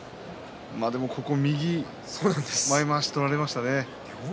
右前まわし、取られましたね。